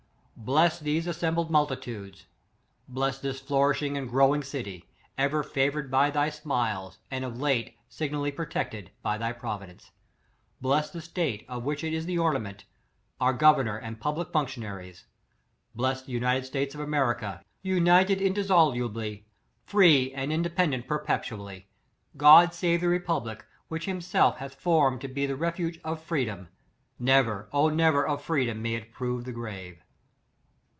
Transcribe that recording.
Bless these assembled multitudes^ bless this flourishing and growing city^ ever favored by thy smiles, and of late signally protected by thy providence. Bless the state, of which it is the orna ment, our governor and public function aries; bless the United States of America, united indissolubly; free and indepen dent perpetually; God save the republic, which himself hath formed to be the re fuge of freedom; never, O never, of free dom, may it prove the grave!